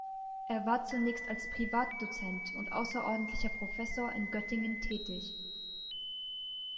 Er war zunächst als Privatdozent und außerordentlicher Professor in Göttingen tätig.